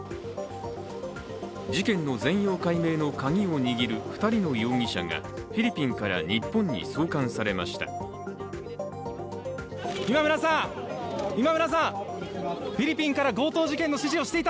事件の全容解明のカギを握る２人の容疑者がフィリピンから日本に送還されました。